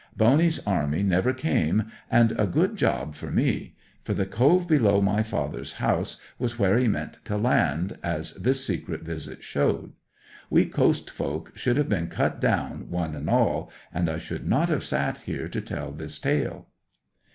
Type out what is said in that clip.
Boney's army never came, and a good job for me; for the Cove below my father's house was where he meant to land, as this secret visit showed. We coast folk should have been cut down one and all, and I should not have sat here to tell this tale.